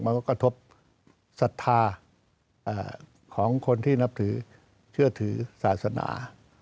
มันก็กระทบศรัทธาของคนที่นับถือเชื่อถือศาสนา